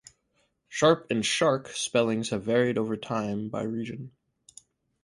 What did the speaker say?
"Sharp" and "shark" spellings have varied over time and by region.